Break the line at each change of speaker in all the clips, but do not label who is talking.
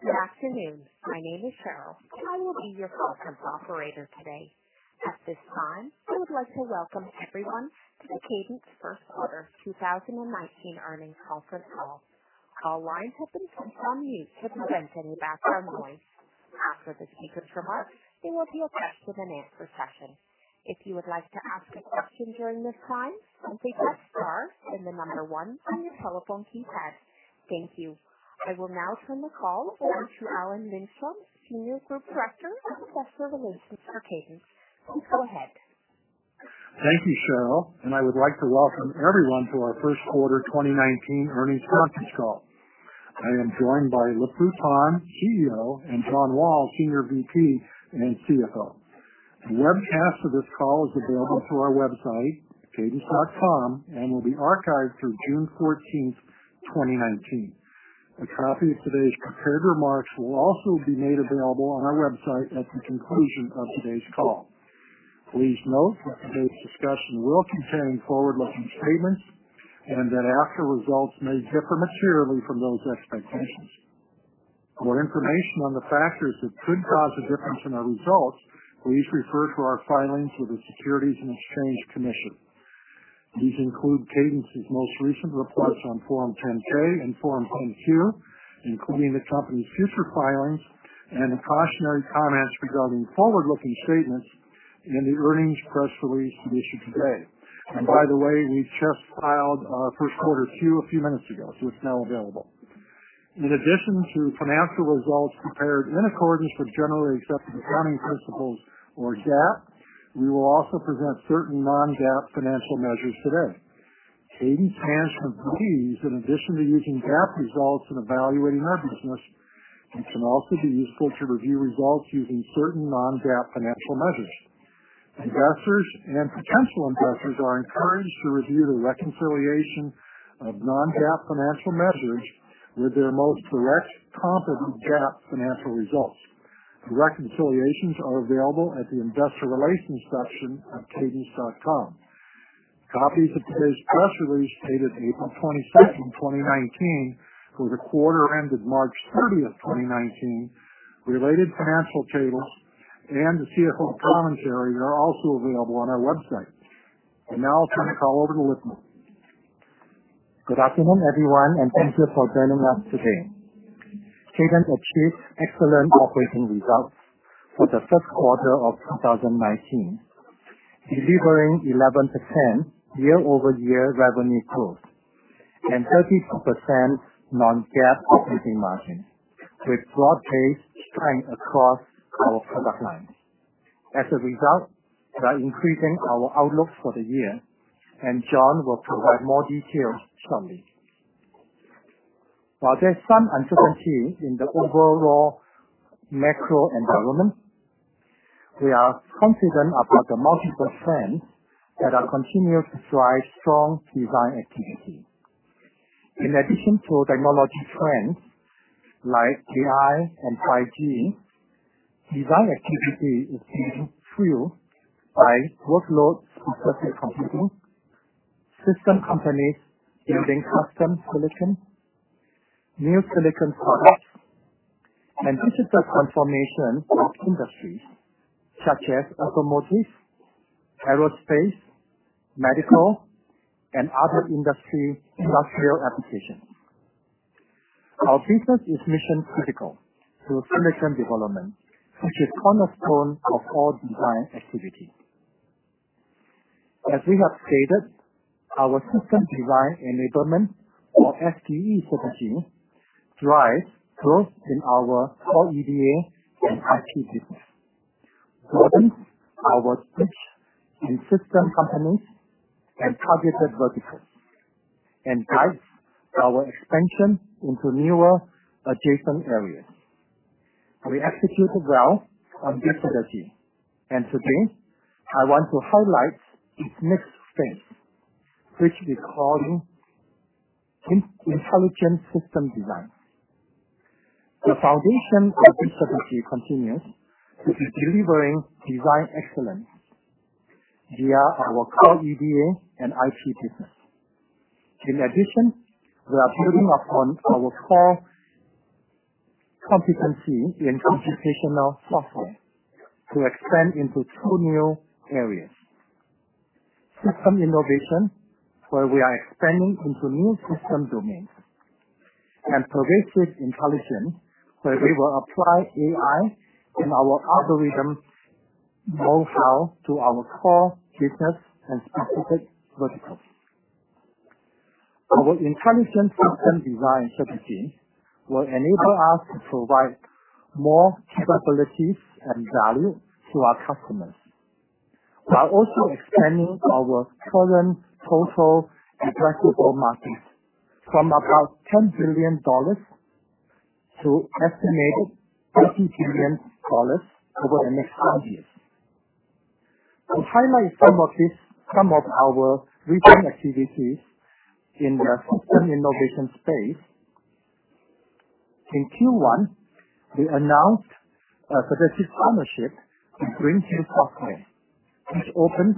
Good afternoon. My name is Cheryl, and I will be your call conference operator today. At this time, I would like to welcome everyone to the Cadence first quarter 2019 earnings conference call. Call lines have been put on mute to prevent any background noise. After the speakers' remarks, there will be a question-and-answer session. If you would like to ask a question during this time, please press star and the number one on your telephone keypad. Thank you. I will now turn the call over to Alan Lindstrom, Senior Group Director of Investor Relations for Cadence. Please go ahead.
Thank you, Cheryl. I would like to welcome everyone to our first quarter 2019 earnings conference call. I am joined by Lip-Bu Tan, CEO, and John Wall, Senior VP and CFO. A webcast of this call is available through our website, cadence.com, and will be archived through June 14th, 2019. A copy of today's prepared remarks will also be made available on our website at the conclusion of today's call. Please note that today's discussion will contain forward-looking statements and that actual results may differ materially from those expectations. For information on the factors that could cause a difference in our results, please refer to our filings with the Securities and Exchange Commission. These include Cadence's most recent reports on Form 10-K and Form 10-Q, including the company's future filings and cautionary comments regarding forward-looking statements in the earnings press release issued today. By the way, we just filed our first quarter Q a few minutes ago, so it's now available. In addition to financial results prepared in accordance with generally accepted accounting principles, or GAAP, we will also present certain non-GAAP financial measures today. Cadence management believes, in addition to using GAAP results in evaluating our business, it can also be useful to review results using certain non-GAAP financial measures. Investors and potential investors are encouraged to review the reconciliation of non-GAAP financial measures with their most direct, competent GAAP financial results. The reconciliations are available at the investor relations section of cadence.com. Copies of today's press release dated April 22nd, 2019, for the quarter ended March 30th, 2019, related financial tables, and the CFO commentary are also available on our website. I now turn the call over to Lip-Bu.
Good afternoon, everyone, and thank you for joining us today. Cadence achieved excellent operating results for the first quarter of 2019, delivering 11% year-over-year revenue growth and 32% non-GAAP operating margin, with broad-based strength across our product lines. As a result, we are increasing our outlook for the year. John will provide more details shortly. While there's some uncertainty in the overall macro environment, we are confident about the multiple trends that are continuing to drive strong design activity. In addition to technology trends like AI and 5G, design activity is being fueled by workloads from supercomputing, system companies building custom silicon, new silicon products, and digital transformation of industries such as automotive, aerospace, medical, and other industry industrial applications. Our business is mission-critical to silicon development, which is cornerstone of all design activity. As we have stated, our system design enablement or SDE strategy drives growth in our core EDA and IP business. This, our switch in system companies and targeted verticals, and guides our expansion into newer adjacent areas. We executed well on this strategy, and today I want to highlight its next phase, which is called intelligent system design. The foundation of this strategy continues to be delivering design excellence via our core EDA and IP business. In addition, we are building upon our core competency in computational software to expand into two new areas: system innovation, where we are expanding into new system domains, and pervasive intelligence, where we will apply AI and our algorithm know-how to our core business and specific verticals. Our intelligent system design strategy will enable us to provide more capabilities and value to our customers, while also expanding our current total addressable market from about $10 billion to estimated $50 billion over the next 10 years. To highlight some of our recent activities in the system innovation space, in Q1, we announced a strategic partnership with Green Hills Software, which opens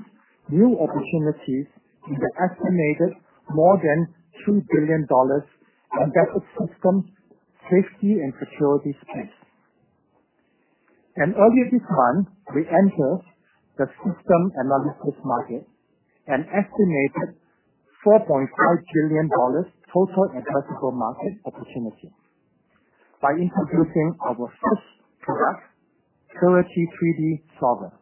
new opportunities in the estimated more than $2 billion embedded system safety and security space. Earlier this month, we entered the system analytics market, an estimated $4.5 trillion total addressable market opportunity by introducing our first product, Clarity 3D Solver,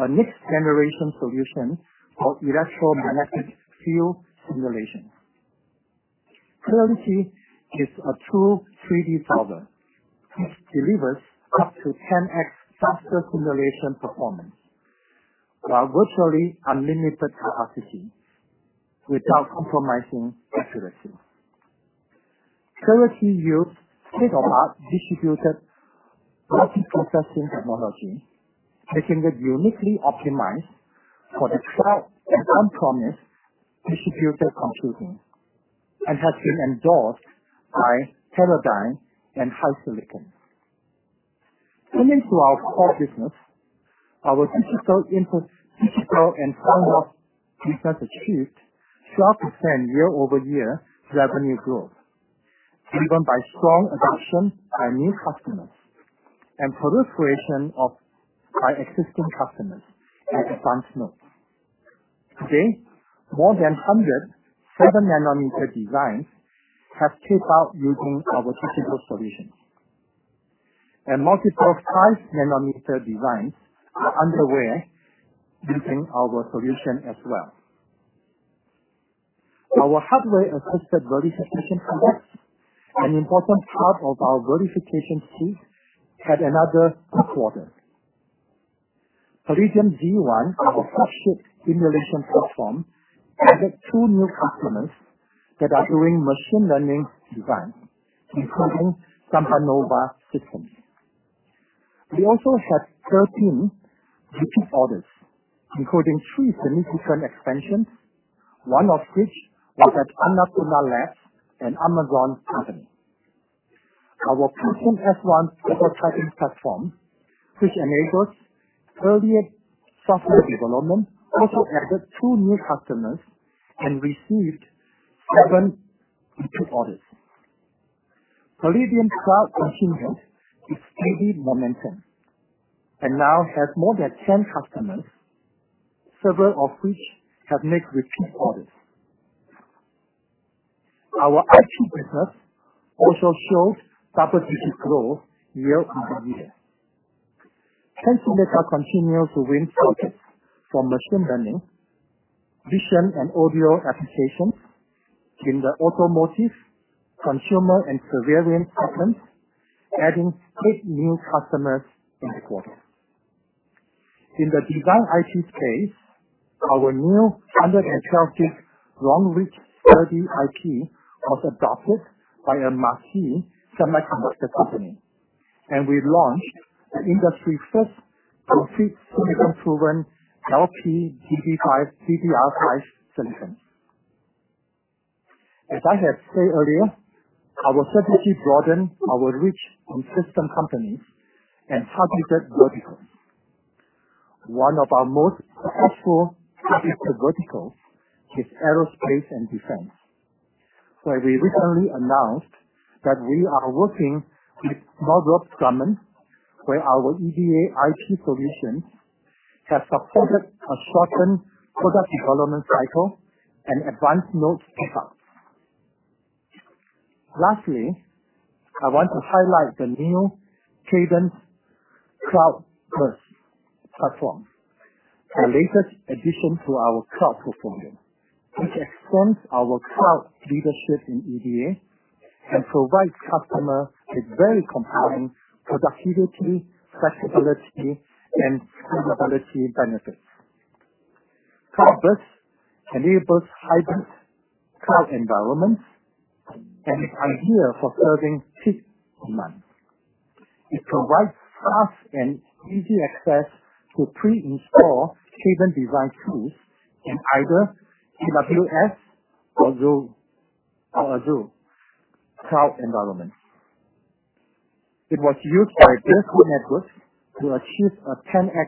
a next-generation solution for electromagnetic field simulations. Clarity is a true 3D solver, which delivers up to 10X faster simulation performance while virtually unlimited capacity without compromising accuracy. Clarity uses state-of-the-art distributed processing technology, making it uniquely optimized for the cloud and on-premise distributed computing, and has been endorsed by Teradyne and HiSilicon. Turning to our core business, our digital and firmware business achieved 12% year-over-year revenue growth, driven by strong adoption by new customers and proliferation by existing customers at advanced nodes. To date, more than 100 seven-nanometer designs have taped out using our typical solutions, and multiple five-nanometer designs are underway using our solution as well. Our hardware-assisted verification products, an important part of our verification suite, had another good quarter. Palladium Z1, our flagship emulation platform, added two new customers that are doing machine learning designs, including SambaNova Systems. We also had 13 repeat orders, including three significant expansions, one of which was at Annapurna Labs and Amazon Web Services. Our Protium S1 prototyping platform, which enables earlier software development, also added two new customers and received seven repeat orders. Palladium Cloud continues its steady momentum and now has more than 10 customers, several of which have made repeat orders. Our IP business also showed double-digit growth year-over-year. Tensilica continues to win designs for machine learning, vision, and audio applications in the automotive, consumer, and surveillance segments, adding six new customers in the quarter. In the design IP space, our new 112 gig long-reach SerDes IP was adopted by a marquee semiconductor company, and we launched an industry-first complete silicon-proven LPDDR5 PHY solution. As I have said earlier, we have significantly broadened our reach to system companies and targeted verticals. One of our most successful targeted verticals is aerospace and defense, where we recently announced that we are working with Northrop Grumman, where our EDA IP solutions have supported a shortened product development cycle and advanced node tape-outs. Lastly, I want to highlight the new Cadence CloudBurst platform, the latest addition to our cloud portfolio, which extends our cloud leadership in EDA and provides customers with very compelling productivity, flexibility, and scalability benefits. CloudBurst enables hybrid cloud environments and is ideal for serving peak demand. It provides fast and easy access to pre-installed Cadence design tools in either AWS or Azure cloud environments. It was used by Dell Networks to achieve a 10x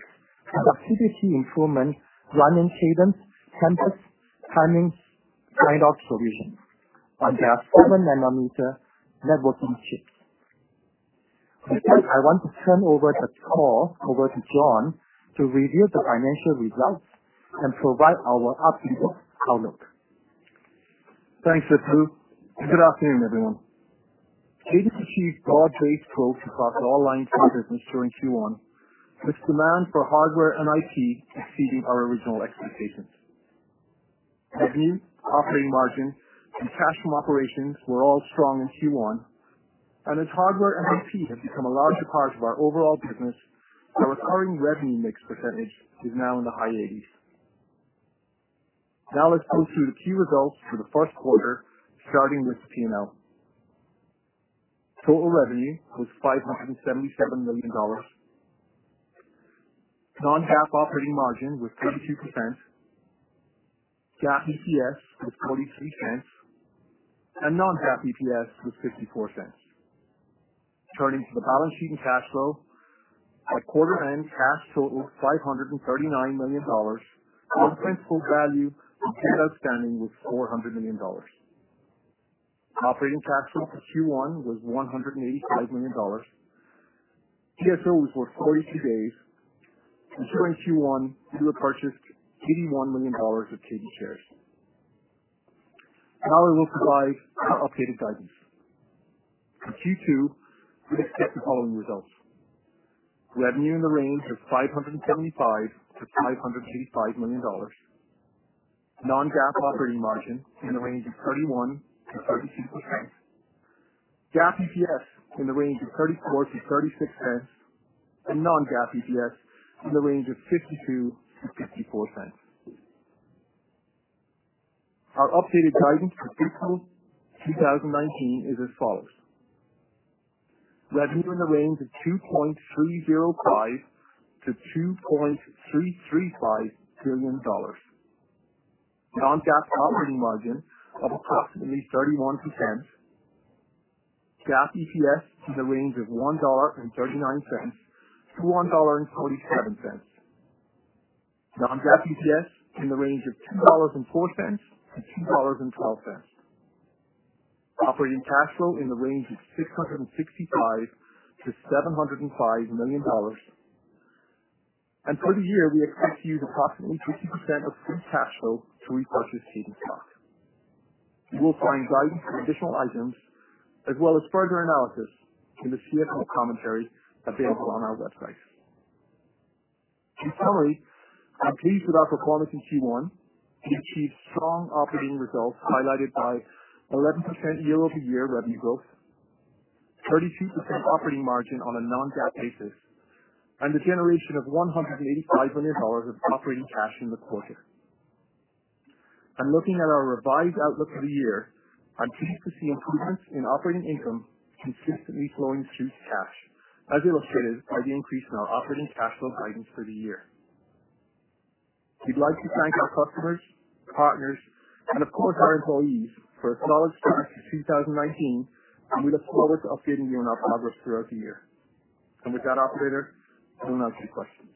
productivity improvement running Cadence Tempus timing sign-off solution on their seven-nanometer networking chips. With that, I want to turn over the call over to John to review the financial results and provide our outlook.
Thanks, Lip-Bu. Good afternoon, everyone. Cadence achieved broad-based growth across all lines of business during Q1, with demand for hardware and IP exceeding our original expectations. Revenue, operating margin, and cash from operations were all strong in Q1. As hardware and IP have become a larger part of our overall business, our recurring revenue mix percentage is now in the high eighties. Now let's go through the key results for the first quarter, starting with the P&L. Total revenue was $577 million. Non-GAAP operating margin was 32%, GAAP EPS was $0.43, and non-GAAP EPS was $0.54. Turning to the balance sheet and cash flow. At quarter end, cash totaled $539 million. Our principal value of debt outstanding was $400 million. Operating cash flow for Q1 was $185 million. DSO was 42 days. During Q1, we repurchased $81 million of Cadence shares. Now I will provide our updated guidance. For Q2, we expect the following results. Revenue in the range of $575 million-$585 million. Non-GAAP operating margin in the range of 31%-32%. GAAP EPS in the range of $0.34-$0.36 and non-GAAP EPS in the range of $0.52-$0.54. Our updated guidance for fiscal 2019 is as follows. Revenue in the range of $2.305 billion-$2.335 billion. Non-GAAP operating margin of approximately 31%. GAAP EPS in the range of $1.39-$1.47. Non-GAAP EPS in the range of $2.04-$2.12. Operating cash flow in the range of $665 million-$705 million. For the year, we expect to use approximately 50% of free cash flow to repurchase Cadence stock. You will find guidance for additional items as well as further analysis in the CFO commentary available on our website. In summary, I'm pleased with our performance in Q1. We achieved strong operating results highlighted by 11% year-over-year revenue growth, 32% operating margin on a non-GAAP basis, and the generation of $185 million of operating cash in the quarter. Looking at our revised outlook for the year, I'm pleased to see improvements in operating income consistently flowing through to cash, as illustrated by the increase in our operating cash flow guidance for the year. We'd like to thank our customers, partners, and of course, our employees for a solid start to 2019, and we look forward to updating you on our progress throughout the year. With that operator, I will now take questions.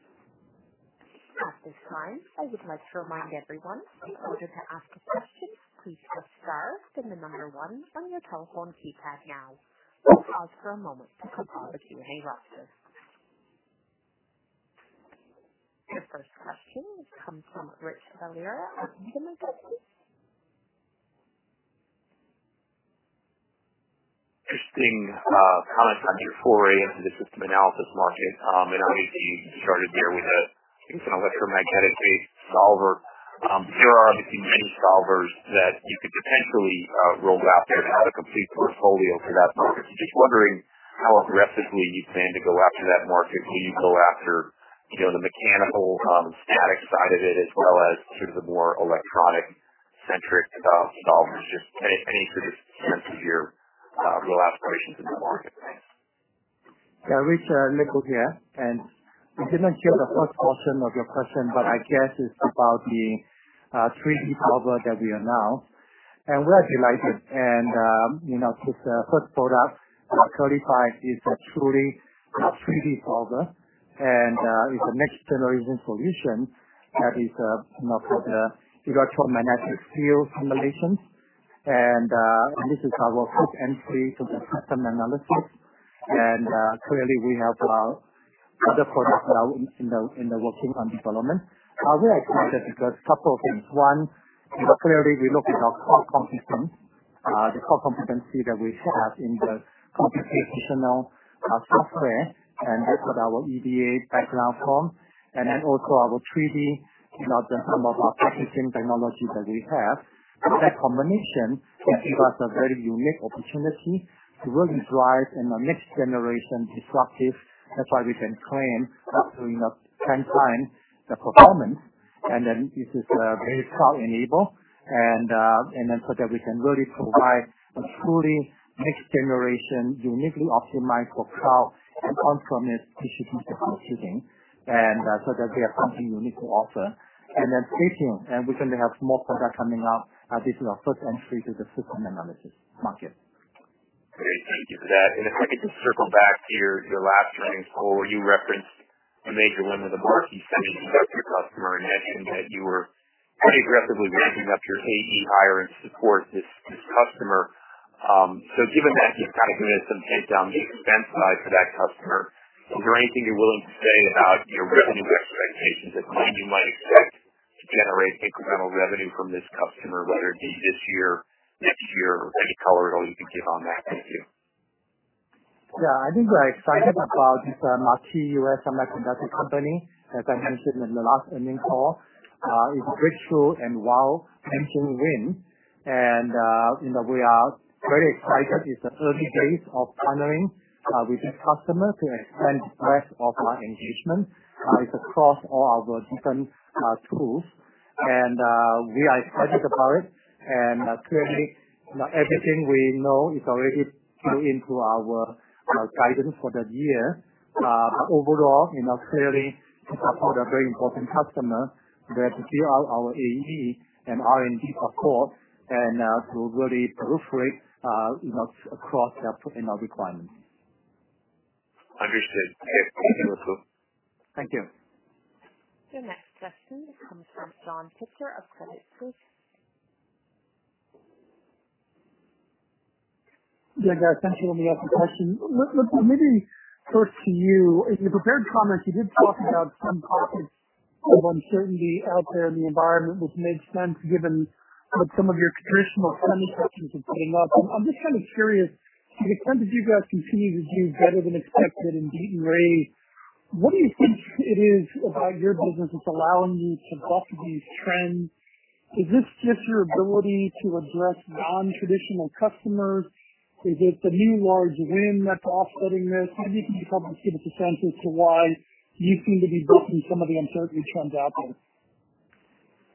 At this time, I would like to remind everyone, in order to ask a question, please press star, then the number one on your telephone keypad now. We'll pause for a moment to compile the Q&A roster. Your first question comes from Rich Valera at Guggenheim Securities.
Interesting comment on your foray into the system analysis market. Obviously you started there with an electromagnetic-based solver. There are obviously many solvers that you could potentially roll out and have a complete portfolio for that market. Just wondering how aggressively you plan to go after that market. Will you go after the mechanical static side of it as well as sort of the more electronic-centric solvers? Just any sort of sense of your real aspirations in the market. Thanks.
Yeah, Rich, Lip-Bu here. We didn't hear the first portion of your question, I guess it's about the 3D solver that we announced. We're delighted. This first product, Clarity, is a truly 3D solver and is a next-generation solution that is electromagnetic field simulations. This is our first entry to the system analysis. Clearly, we have our other products now in the working on development. We are excited because a couple of things. One, clearly we look at our core competence, the core competency that we have in the computational software and also our EDA background form and also our 3D, some of our packaging technology that we have. That combination can give us a very unique opportunity to really drive a next-generation disruptive. That's why we can claim up to 10 times the performance. This is very cloud-enabled and then so that we can really provide a truly next-generation, uniquely optimized for cloud and on-premise PC system computing. We have something unique to offer. Second, we're going to have more products coming out as this is our first entry to the system analysis market.
If I could just circle back to your last earnings call, you referenced a major win with a marquee semiconductor customer and mentioned that you were pretty aggressively ramping up your AE hiring to support this customer. Given that you've kind of given us some insight down the expense side for that customer, is there anything you're willing to say about your revenue expectations at when you might expect to generate incremental revenue from this customer, whether it be this year, next year? Any color at all you can give on that? Thank you.
I think we're excited about this marquee U.S. semiconductor company, as I mentioned in the last earnings call. It's breakthrough and wow, engine win. We are very excited. It's the early days of partnering with this customer to expand rest of our engagement. It's across all our different tools.
We are excited about it. Clearly, everything we know is already built into our guidance for that year. Overall, clearly, to support a very important customer, we have to gear our AE and R&D, of course, to really proliferate across their requirements.
Understood. Okay. Thank you.
Thank you.
The next question comes from John Pitzer of Credit Suisse.
Yeah, guys. Thanks for letting me ask a question. Maybe first to you, in your prepared comments, you did talk about some pockets of uncertainty out there in the environment, which makes sense given what some of your traditional end customers have been up. I'm just kind of curious, to the extent that you guys continue to do better than expected and beat and raise, what do you think it is about your business that's allowing you to buck these trends? Is this just your ability to address non-traditional customers? Is it the new large win that's offsetting this? Maybe can you help us give a sense as to why you seem to be bucking some of the uncertainty trends out there?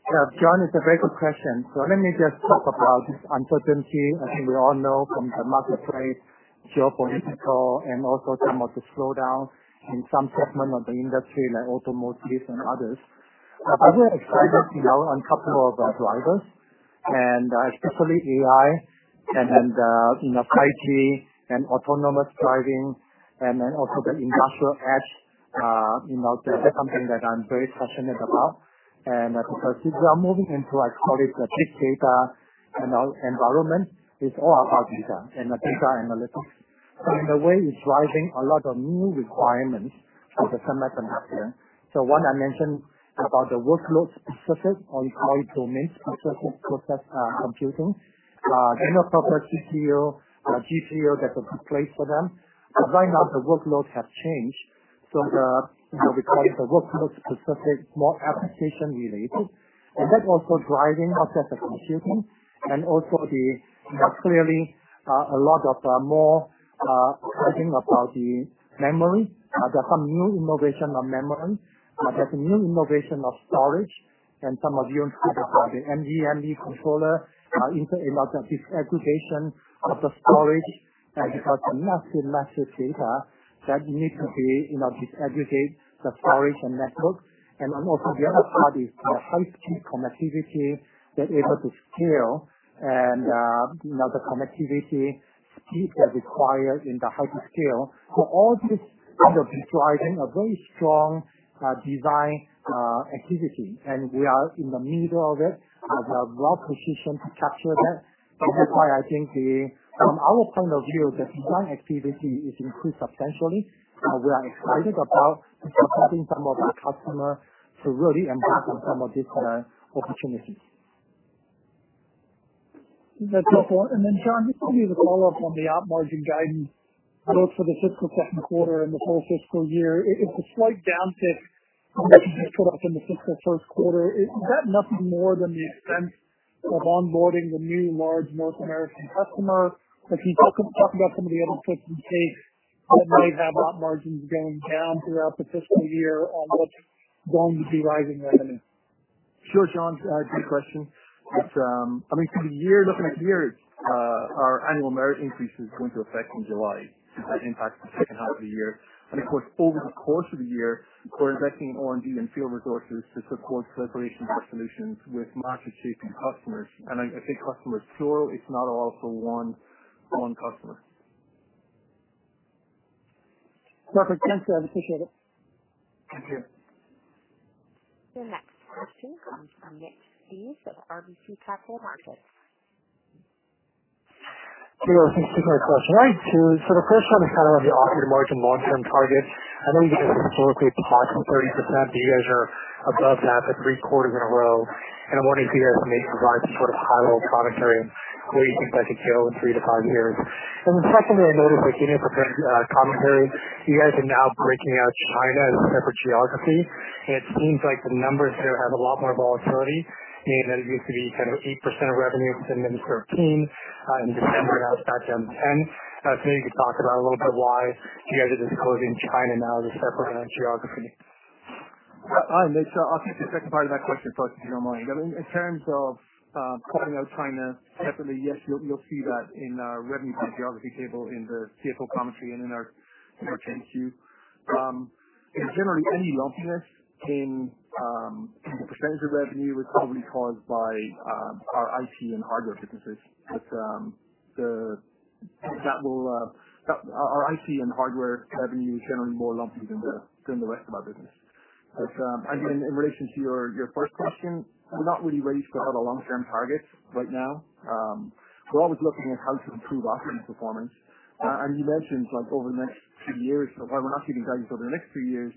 Yeah. John, it's a very good question. Let me just talk about this uncertainty. I think we all know from the marketplace, geopolitical, and also some of the slowdowns in some segments of the industry, like automotive and others. I'm very excited on a couple of our drivers, and especially AI and in 5G and autonomous driving and then also the industrial edge. That is something that I'm very passionate about. Because as we are moving into, I call it the big data environment, it's all about data and data analytics. In a way, it's driving a lot of new requirements for the semiconductor. One I mentioned about the workload specific, or we call it domain-specific process computing. They're not proper CPU, GPU, that's a good place for them. Right now, the workloads have changed. Because it's a workload specific, more application related. That's also driving faster computing and also clearly, a lot of more writing about the memory. There's some new innovation of memory. There's a new innovation of storage and some of you see the NVMe controller into a disaggregation of the storage because the massive data that need to be disaggregate the storage and networks. Also the other part is high-speed connectivity that is able to scale and the connectivity speeds that are required in the hyperscale. All this is driving a very strong design activity, and we are in the middle of it, we are well-positioned to capture that. That is why I think from our point of view, the design activity is increased substantially. We are excited about supporting some of our customers to really impact on some of these opportunities.
That's helpful. Then, John, just to give you the follow-up on the op margin guidance, both for the fiscal second quarter and the full fiscal year. It's a slight downtick from what you just put up in the fiscal first quarter. Is that nothing more than the expense of onboarding the new large North American customer? Can you talk about some of the other risks you take that might have op margins going down throughout the fiscal year, and what's going to be driving them?
Sure, John. Good question. I think looking at the year, our annual merit increase is going to effect in July. That impacts the second half of the year. Of course, over the course of the year, we're investing in R&D and field resources to support acceleration solutions with market-shaping customers. I say customers plural, it's not all for one customer.
Perfect. Thanks, guys. Appreciate it.
Thank you.
The next question comes from Nick Theos of RBC Capital Markets.
Hey, guys. Thanks for taking my question. The first one is on the operating margin long-term target. I know you guys historically target 30%, but you guys are above that for three quarters in a row. I'm wondering if you guys can maybe provide some sort of high-level commentary on where you think that could go in three to five years. Secondly, I noticed in your prepared commentary, you guys are now breaking out China as a separate geography. It seems like the numbers there have a lot more volatility, meaning that it used to be 10% to 8% of revenue, and then 13%, in December, now it's back down to 10%. Maybe you could talk about a little bit why you guys are disclosing China now as a separate geography.
Hi, Nick. I'll take the second part of that question first, if you don't mind. In terms of calling out China separately, yes, you'll see that in our revenue by geography table in the CFO commentary and in our 10-Q. Generally, any lumpiness in the percentage of revenue was probably caused by our IP and hardware businesses. Our IP and hardware revenue is generally more lumpy than the rest of our business. Again, in relation to your first question, we're not really ready to have a long-term target right now. We're always looking at how to improve operating performance. You mentioned, over the next few years, while we're not giving guidance over the next few years,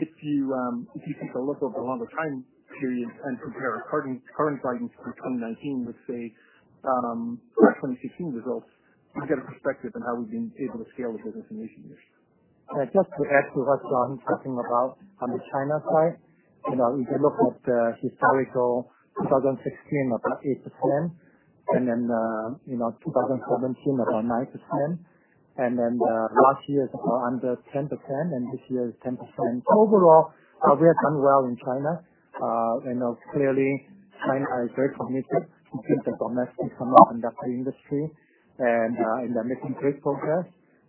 if you take a look over a longer time period and compare our current guidance for 2019 with, say, 2016 results, you'll get a perspective on how we've been able to scale the business in Asia initially.
Just to add to what John is talking about on the China side. If you look at the historical 2016, about 8%, then 2017, about 9%, then last year it was under 10%, and this year is 10%. Overall, we have done well in China. Clearly, China is very committed to build the domestic semiconductor industry, and they're making great progress.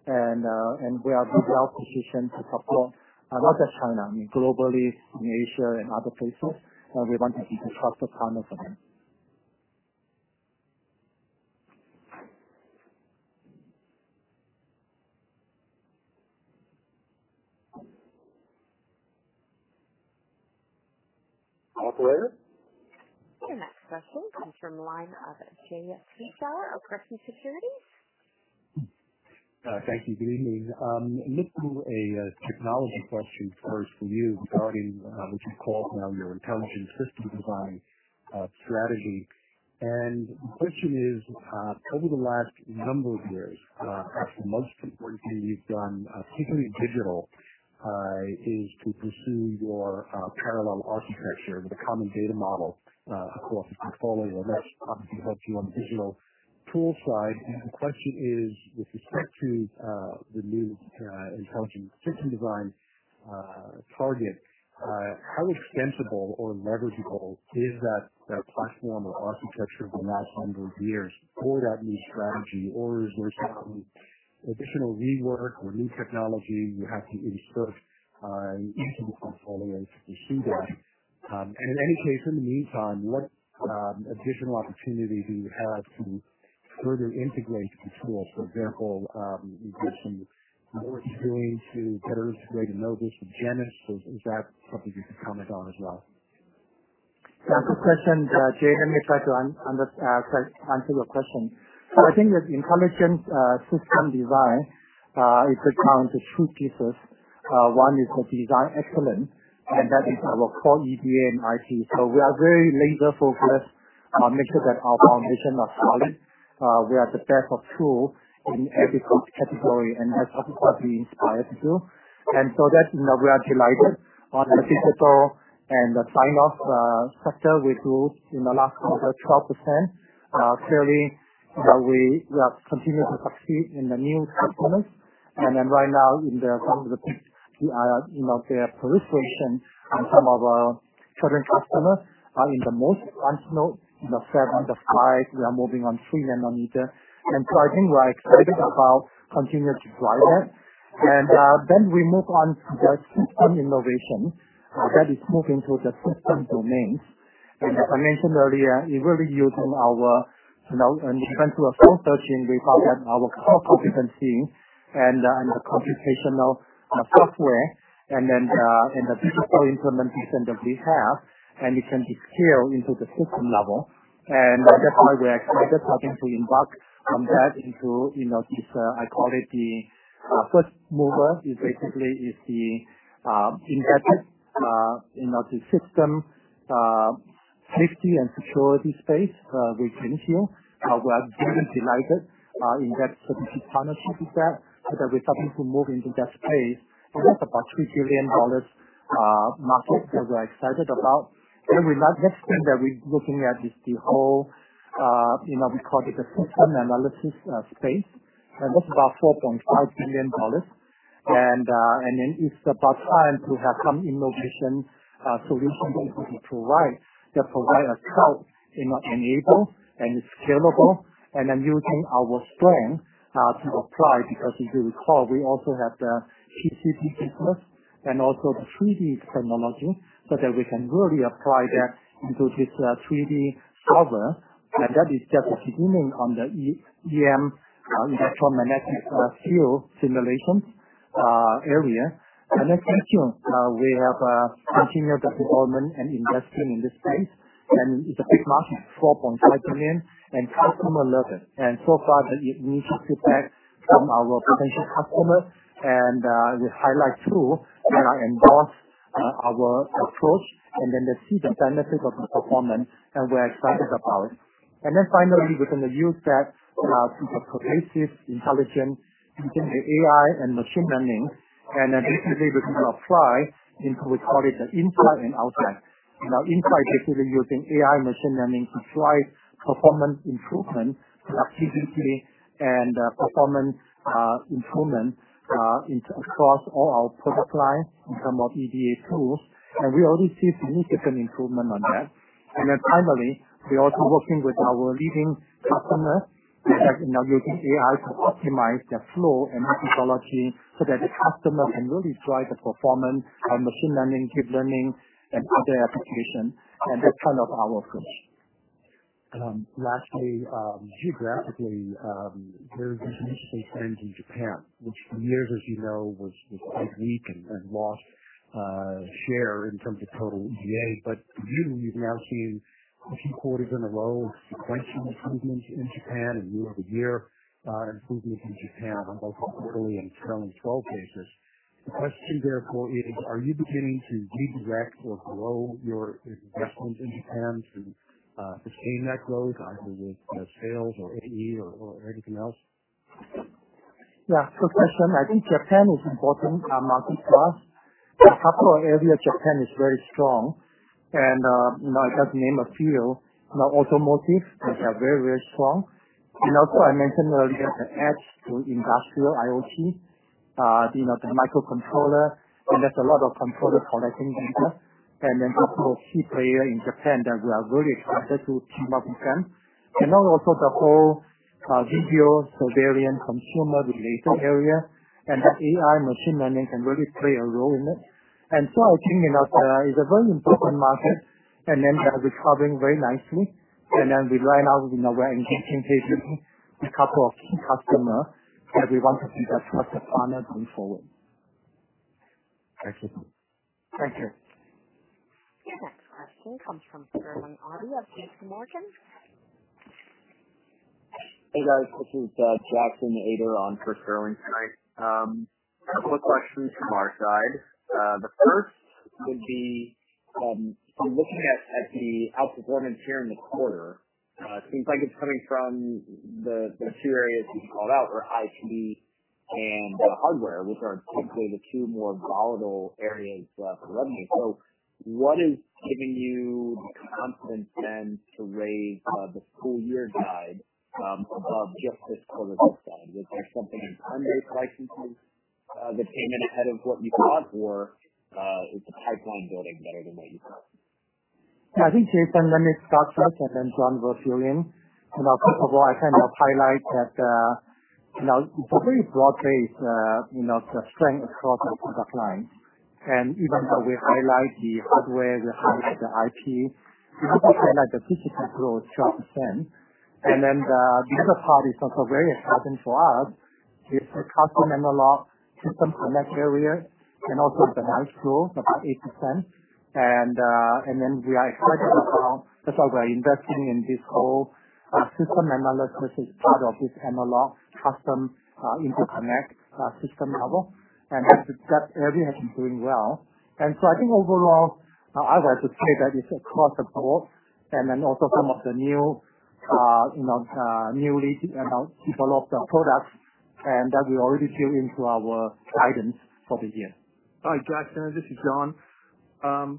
We are well-positioned to support not just China, globally, in Asia and other places, we want to be the trusted partner for them.
Operator?
The next question comes from the line of Jay Gesheider of Griffin Securities.
Thank you. Good evening. Let me do a technology question first for you regarding what you call now your intelligent system design strategy. The question is, over the last number of years, perhaps the most important thing you've done, particularly in digital, is to pursue your parallel architecture with a common data model. Of course, if you follow, that's obviously helped you on the digital tool side. The question is, with respect to the new intelligent system design target, how extensible or leverageable is that platform or architecture from that number of years for that new strategy? Or is there some additional rework or new technology you have to insert in order to pursue that? In any case, in the meantime, what additional opportunity do you have to further integrate the tools? For example, is there some work you're doing to better integrate Innovus with Genus? Is that something you could comment on as well?
That's a good question, Jay. Let me try to answer your question. I think that the intelligent system design is broken down into two pieces. One is the design excellence, and that is our core EDA and IP. We are very laser-focused on making sure that our foundation is solid. We are the best of tool in every category, and that's what we aspire to do. That, we are delighted on the digital and the sign-off sector, which grew in the last quarter 12%. Clearly, we are continuing to succeed in the new customers. Right now in their proliferation on some of our certain customers are in the most advanced node, in the seven, the five, we are moving on three nanometer. I think we are excited about continuing to drive that. We move on to the system innovation. That is moving to the system domains. As I mentioned earlier, we're reusing our, even through our co-searching, we found that our core competency and the computational software and the digital implementation that we have, it can be scaled into the system level. That's why we are excited starting to embark from that into this, I call it the first mover, is basically is the embedded in the system safety and security space we can fill. We are very delighted in that strategic partnership with that we're starting to move into that space. That's about $3 trillion market that we're excited about. The next thing that we're looking at is the whole, we call it the system analysis space, that's about $4.5 billion. It's about time to have some innovation solutions that we can provide that provide a cloud enable and is scalable, using our strength to apply, because if you recall, we also have the PCB business and also the 3D technology, that we can really apply that into this 3D Solver. That is just the beginning on the EM, electromagnetic field simulation area. Continue, we have continued the development and investing in this space, and it's a big market, $4.5 billion, Customer loves it. So far, the initial feedback from our potential customers, we highlight two that have endorsed our approach, they see the benefit of the performance, we're excited about it. Finally, we're going to use that to pervasive intelligence between the AI and machine learning. Basically, we're going to apply into we call it the inside and outside. Inside, basically using AI machine learning to drive performance improvement, productivity, and performance improvement across all our product lines in terms of EDA tools. We already see significant improvement on that. Finally, we're also working with our leading customers that are now using AI to optimize their flow and methodology so that the customer can really drive the performance on machine learning, deep learning, and other applications, and that's kind of our approach.
Lastly, geographically, there's interesting trends in Japan, which for years, as you know, was quite weak and lost share in terms of total EDA. You're now seeing a few quarters in a row of sequential improvements in Japan and year-over-year improvements in Japan, both quarterly and trailing 12 quarters. The question therefore is, are you beginning to redirect or grow your investments in Japan to sustain that growth, either with sales or AE or anything else?
Good question. I think Japan is an important market for us. In a couple of areas, Japan is very strong and I'll just name a few. Automotive, which is very, very strong. Also, I mentioned earlier the edge to industrial IoT, the microcontroller, and there's a lot of controllers collecting data. Also a key player in Japan that we are very excited to team up with them. Now also the whole video surveillance, consumer-related area, and that AI machine learning can really play a role in it. So I think it's a very important market, and then they are recovering very nicely. Right now, we're engaging with a couple of key customers that we want to be that partner going forward.
Thank you.
Thank you.
Your next question comes from Sterling Auty of J.P. Morgan.
Hey, guys. This is Jackson Ader on for Sterling tonight. A couple of questions from our side. The first would be, from looking at the outperformance here in the quarter, it seems like it's coming from the two areas you called out, or IP and hardware, which are typically the two more volatile areas for revenue. What is giving you the confidence then to raise the full-year guide above just this quarter alone? Is there something in premise licenses that came in ahead of what you thought, or is the pipeline building better than what you thought?
Yeah. I think, Jackson, let me start first. Then John will fill in. First of all, I kind of highlight that it's a very broad-based strength across our product lines. Even though we highlight the hardware, we highlight the IP, we highlight the physical growth 12%. The other part is also very exciting for us is the custom analog system connect area, and also it's a nice growth, about 8%. We are excited about that's why we're investing in this whole system analysis, which is part of this analog custom interconnect system level. That area has been doing well. I think overall, I'd like to say that it's across the board, and then also some of the newly developed products, and that we already built into our guidance for the year.
Hi, Jackson, this is John.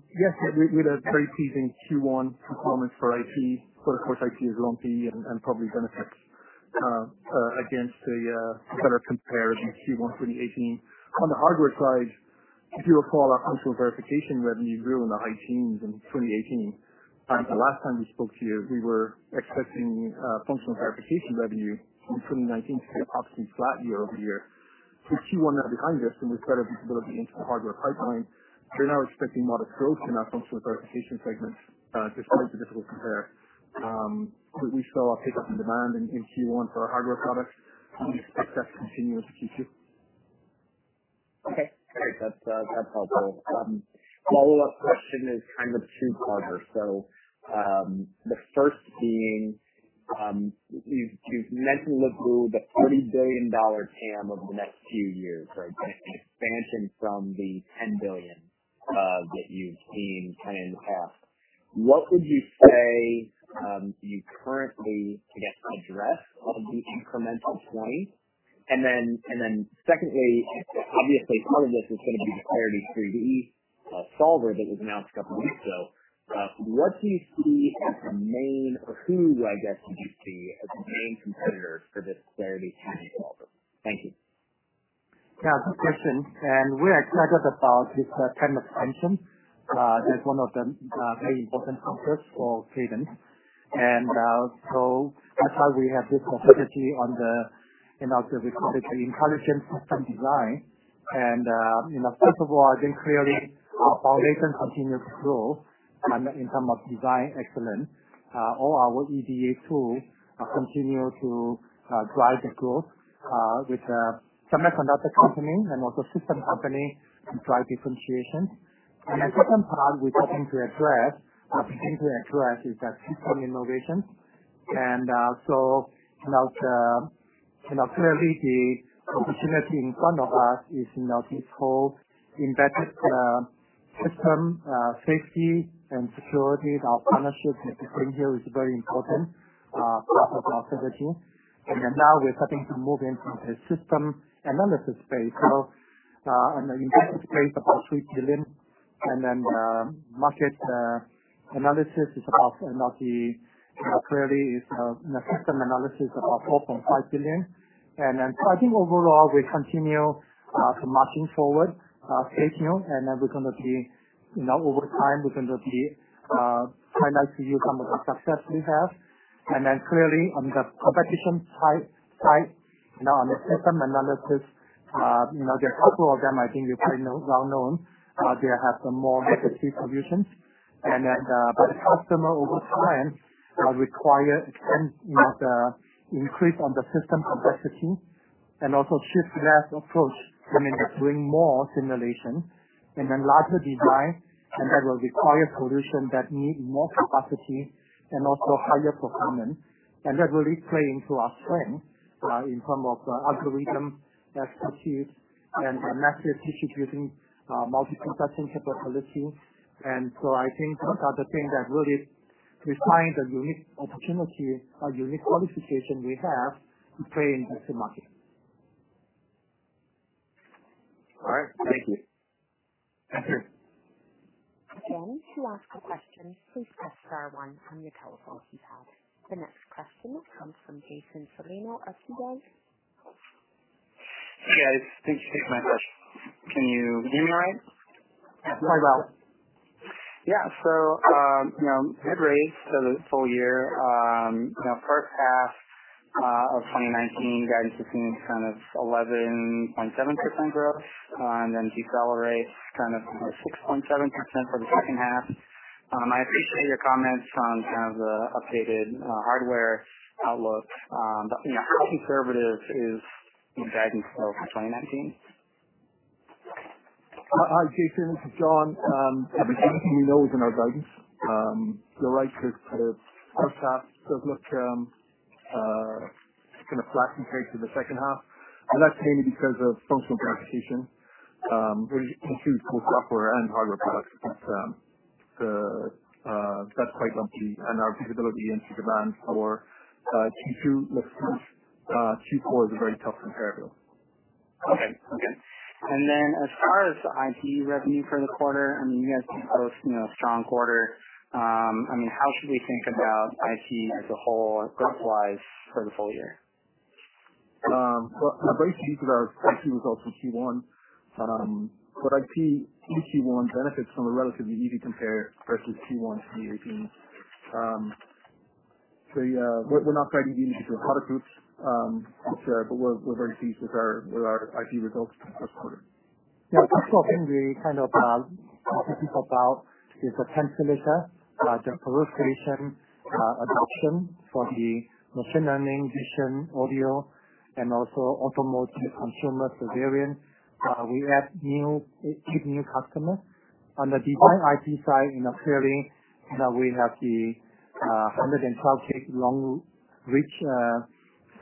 Yes, we had a very pleasing Q1 performance for IP. Of course, IP is lumpy and probably benefits against the better compared in Q1 2018. On the hardware side, if you recall our functional verification revenue grew in the high teens in 2018. The last time we spoke here, we were expecting functional verification revenue in 2019 to be approximately flat year-over-year. With Q1 now behind us and with better visibility into the hardware pipeline, we're now expecting modest growth in our functional verification segment. It's always a difficult compare. We saw a pickup in demand in Q1 for our hardware products. We expect that to continue into Q2.
Okay, great. That's helpful. Follow-up question is kind of two-parter. The first being, you've mentioned the $40 billion TAM over the next few years, right? The expansion from the $10 billion that you've seen kind of in the past. What would you say you currently, I guess, address of the incremental 20? Secondly, obviously, part of this is going to be the Clarity 3D Solver that was announced a couple of weeks ago. What do you see as the main, or who, I guess, do you see as the main competitor for this Clarity 3D Solver? Thank you.
Yeah. Good question. We're excited about this kind of tension as one of the very important focus for Cadence. That's why we have this opportunity on the, as we call it, the intelligent system design. First of all, I think clearly our foundation continues to grow in term of design excellence. All our EDA tools continue to drive the growth with the semiconductor company and also system company to drive differentiation. The second part we're starting to address is that system innovation. Clearly the opportunity in front of us is this whole embedded system safety and security. Our partnership with Arm here is a very important part of our strategy. Now we're starting to move into the system analysis space. In the embedded space, about $3 billion. Market analysis is about, clearly is a system analysis, about $4.5 billion. I think overall, we continue to marching forward staging. We're going to be, over time, we're going to be highlighting to you some of the success we have. Clearly on the competition side, on the system analysis, there are a couple of them I think you probably know well known. They have some more legacy solutions. The customer over time require increase on the system complexity and also shift left approach, which means doing more simulation and larger design. That will require solution that need more capacity and also higher performance. That will really play into our strength in term of algorithm expertise and massive distributing multi-processing capability. I think those are the things that really we find a unique opportunity, a unique qualification we have to play in this market.
All right. Thank you.
Thank you.
To ask a question, please press star one on your telephone keypad. The next question comes from Jason Celino of KeyBanc.
Hey, guys. Thank you for taking my question. Can you hear me all right?
Yes. Go ahead.
Good raise for the full year. First half of 2019 guidance between 10% and 11.7% growth, then decelerate 10% and 6.7% for the second half. I appreciate your comments on the updated hardware outlook. How conservative is the guidance for 2019?
Hi, Jason, this is John. Everything you know is in our guidance. You're right, the first half does look kind of flat compared to the second half. That's mainly because of functional verification, which includes both software and hardware products. That's quite lumpy and our visibility into demand for Q2 next year, Q4 is a very tough comparable.
Okay. As far as IP revenue for the quarter, you guys had posted a strong quarter. How should we think about IP as a whole growth-wise for the full year?
Well, I'm very pleased with our IP results in Q1. For IP, Q1 benefits from a relatively easy compare versus Q1 2018. We're not guiding individual product groups, but we're very pleased with our IP results for the first quarter.
Yeah. First of all, Henry, kind of talking about is the Tensilica, the proliferation, adoption for the machine learning, vision, audio, and also automotive consumer variants. We add two new customers. On the design IP side in a [query] that we have the 112 gig long reach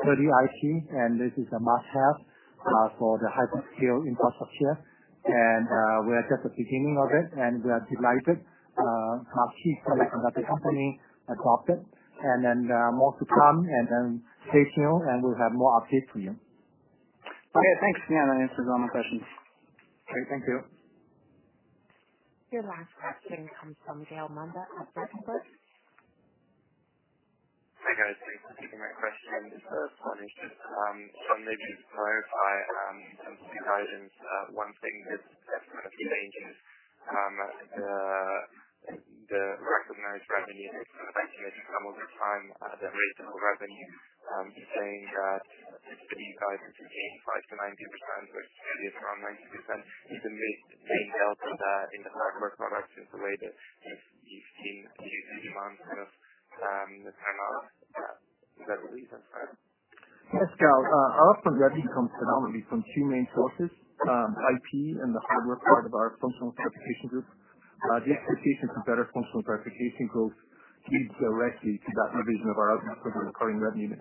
[30 IP], this is a must-have for the hyperscale infrastructure. We are just at the beginning of it, and we are delighted. Our key customers at the company adopt it, there are more to come and then stay tuned, and we'll have more updates for you.
Okay, thanks. That answers all my questions.
Great. Thank you.
Your last question comes from Gal Munda at Bernstein.
Hi, guys. Thanks for taking my question. This is for Muneesh. John made me smile by some of his guidance. One thing that definitely changes the recognized revenue is the recognition timing of the original revenue. He's saying that this could be 5%-10%, 5%-90%, which clearly is around 90%. Is the main delta in the hardware products just the way that you've seen Q2 demand kind of turn off? Is that the reason for it?
Yes, Gal. Our revenue comes predominantly from two main sources, IP and the hardware part of our functional verification group. The expectations of better functional verification growth lead directly to that revision of our outlook for the recurring revenues.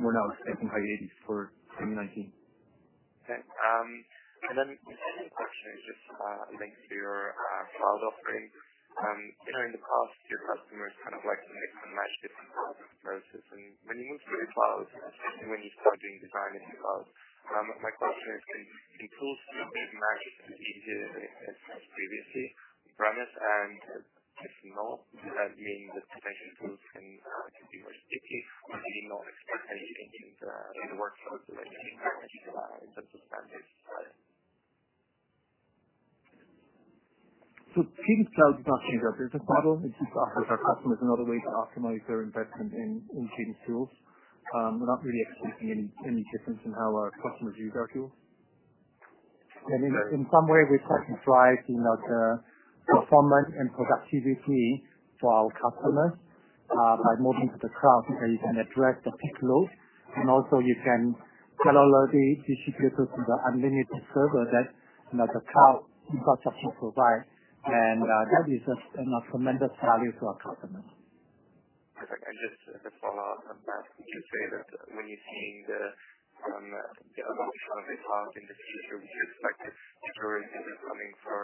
We're now expecting high 80s for 2019.
Okay. My second question is just linked to your cloud offering. In the past, your customers kind of like to mix and match different parts of the process. When you move to the cloud, especially when you start doing design in the cloud, my question is, can tools still be matched as easily as previously on-premise? If not, does that mean that Cadence tools can be much stickier or do you not expect any changes in the workflows or anything like that in terms of standards?
Cadence Cloud does not change our business model. It just offers our customers another way to optimize their investment in Cadence tools. We're not really expecting any difference in how our customers use our tools.
In some way, we try to drive the performance and productivity for our customers, by moving to the cloud where you can address the peak load, also you can parallelly distribute it to the unlimited server that the cloud infrastructure provides. That is just a tremendous value to our customers.
Perfect. Just as a follow-up on that, would you say that when you're seeing the adoption of this cloud in the future, would you expect different business coming for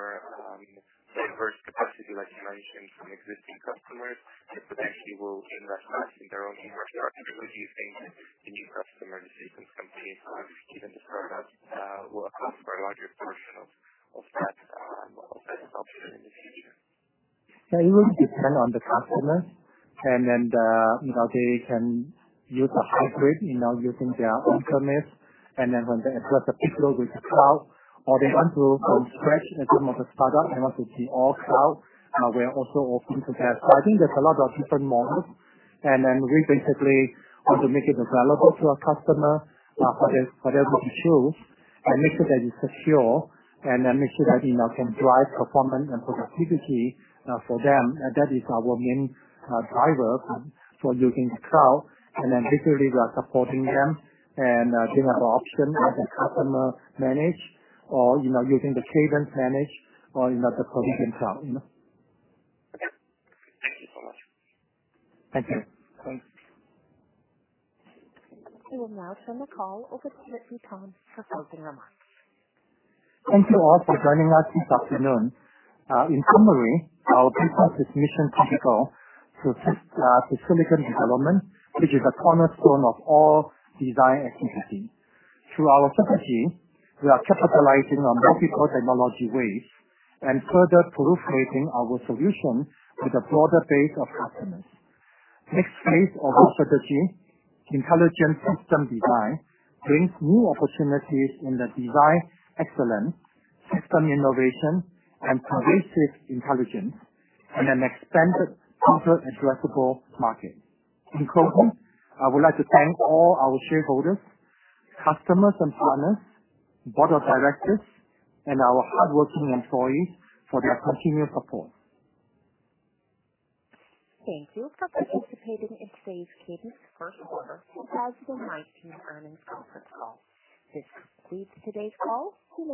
diverse, possibly, like you mentioned, some existing customers who potentially will invest more in their own infrastructure? Do you think the new customer [decisions companies] given this product will account for a larger portion of that adoption in the future?
It will depend on the customer. They can use a hybrid, using their on-premise, and then when they address the peak load with the cloud, or they want to go fresh as a startup and want to be all cloud, we are also open to that. I think there's a lot of different models, and then we basically want to make it available to our customer for their good use and make sure that it's secure, and then make sure that it can drive performance and productivity for them. That is our main driver for using the cloud. Basically, we are supporting them, and they have the option of the customer manage or using the Cadence managed or the public cloud.
Thank you so much.
Thank you.
Thanks.
We will now turn the call over to Lip-Bu Tan for closing remarks.
Thank you all for joining us this afternoon. In summary, our focus is mission critical to silicon development, which is a cornerstone of all design activity. Through our strategy, we are capitalizing on multiple technology waves and further proliferating our solution with a broader base of customers. Next phase of our strategy, intelligent system design, brings new opportunities in the design excellence, system innovation, and pervasive intelligence, and an expanded total addressable market. In closing, I would like to thank all our shareholders, customers and partners, board of directors, and our hardworking employees for their continued support.
Thank you for participating in today's Cadence first quarter 2019 earnings conference call. This concludes today's call. You may now disconnect.